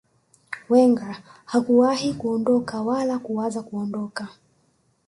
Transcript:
wenger hakuwahi kuondoka wala kuwaza kuondoka